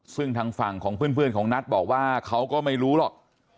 ซึ่งทางฝั่งของเพื่อนของนัทบอกว่าเขาก็ไม่รู้หรอก